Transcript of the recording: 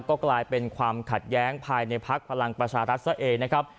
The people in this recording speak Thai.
ก็กลายเป็นความขัดแย้งภายในพักพลังประชารัฐซะเองนะครับ